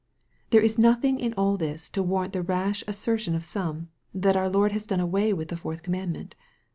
There is nothing in all this to warrant the rash asser tion of some, that our Lord has done away with the fourth commandment.